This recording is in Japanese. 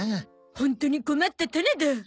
ホントに困った種だ。